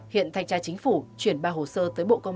hiện thanh tra chính phủ chuyển ba hồ sơ tới bộ công an